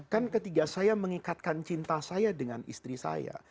kan ketika saya mengikatkan cinta saya dengan istri saya